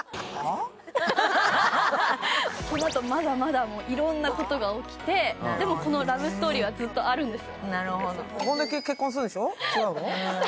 このあと、まだまだいろいろなことが起きて、でも、このラブストーリーはずっとあるんです。